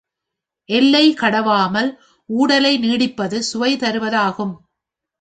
எல்லை கடவாமல் ஊடலை நீட்டிப்பது சுவைதருவது ஆகும்.